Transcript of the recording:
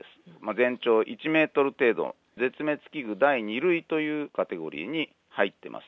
全長１メートル程度、絶滅危惧第２類というカテゴリーに入ってます。